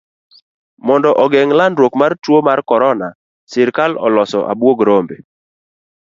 Mondo ogeng' landruok mar tuo mar corona, sirikal oloso abuog rombe.